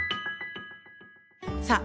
さあ